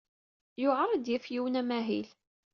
Yewɛeṛ ad d-yaf yiwen amahil.